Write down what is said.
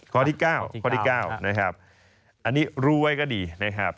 ข้อที่๙ข้อที่๙นะครับอันนี้รู้ไว้ก็ดีนะครับ